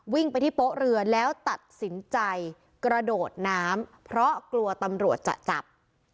วิ่งไปที่โป๊ะเรือแล้วตัดสินใจกระโดดน้ำเพราะกลัวตำรวจจะจับ